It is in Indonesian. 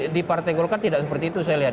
di partai golkar tidak seperti itu saya lihat